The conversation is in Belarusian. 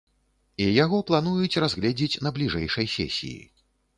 І яго плануюць разгледзець на бліжэйшай сесіі.